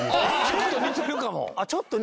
「ちょっと似てるか」